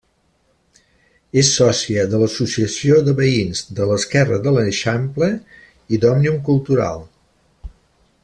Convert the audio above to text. És sòcia de l'Associació de Veïns de l'Esquerra de l'Eixample i d'Òmnium Cultural.